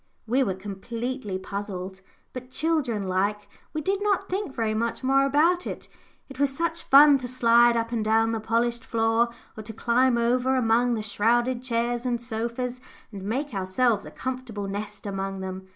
We were completely puzzled, but, children like, we did not think very much more about it. It was such fun to slide up and down the polished floor, or to climb over among the shrouded chairs and sofas, and make ourselves a comfortable nest among them.